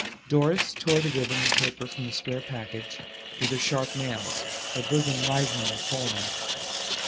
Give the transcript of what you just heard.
Doris tore the ribbon and paper from the square package with her sharp nails, her bosom rising and falling.